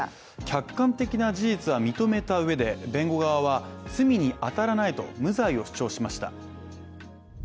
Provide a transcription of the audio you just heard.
客観的な事実は認めたうえで弁護側は罪に当たらないと、無罪を主張しました。